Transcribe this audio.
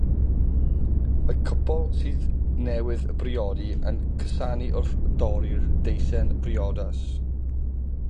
Mae cwpl sydd newydd briodi yn cusanu wrth dorri'r deisen briodas.